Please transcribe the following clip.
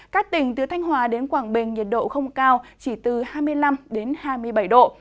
các tỉnh từ thanh hòa đến quảng bình nhiệt độ không cao chỉ từ hai mươi năm đến hai mươi bảy độ